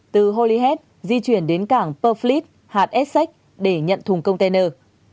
từ holyhead di chuyển đến cảng purfleet hạt essex để nhận thùng container